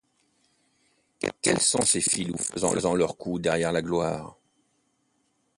Quels sont ces filous faisant leur coup derrière la gloire?